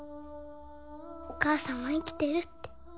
おかあさんは生きてるって！